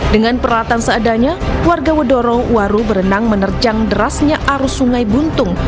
dengan peralatan seadanya warga wedorong waru berenang menerjang derasnya arus sungai buntung